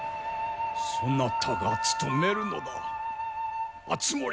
そなたが務めるのだ敦盛。